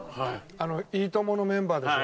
『いいとも！』のメンバーでしょ？